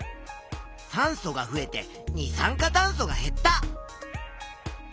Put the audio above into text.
酸素が増えて二酸化炭素が減った。